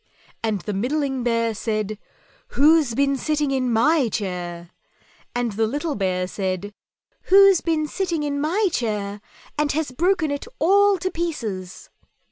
and the middling Bear said, "WHO'S BEEN SITTING IN MY CHAIR?" and the little Bear said, "_Who's been sitting in my chair and has broken it all to pieces?